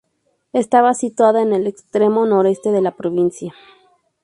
Estaba situado en el extremo noreste de la provincia.